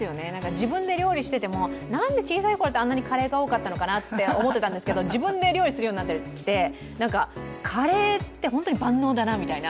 自分で料理してても、なんで小さいころってカレーが多かったのかなと思ったんですけど自分で料理するようになってきてカレーって本当に万能だなみたいな。